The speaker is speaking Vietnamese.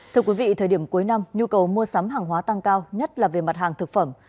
thưa quý vị thời điểm cuối năm nhu cầu mua sắm hàng hóa tăng cao nhất là về mặt hàng thực phẩm